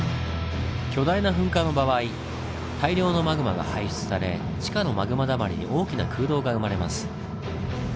巨大な噴火の場合大量のマグマが排出され地下のマグマだまりに大きな空洞が生まれます。